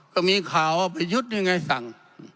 ก็มีข่าวเอาไปยุดอย่างไรสั่ง